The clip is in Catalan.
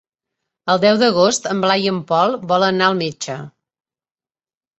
El deu d'agost en Blai i en Pol volen anar al metge.